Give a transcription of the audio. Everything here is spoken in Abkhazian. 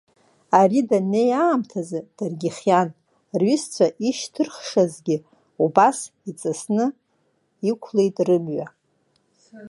Ари даннеи аамҭазы даргьы хиан, рҩызцәа ишьҭырхшазгьы убас, иҵысны иқәлеит рымҩа.